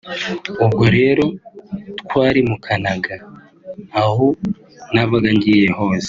ubwo rero twarimukanaga aho nabaga ngiye hose